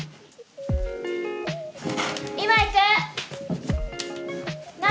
今行く！何？